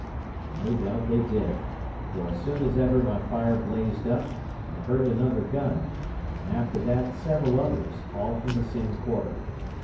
And no doubt they did; for as soon as ever my fire blazed up, I heard another gun, and after that several others, all from the same quarter.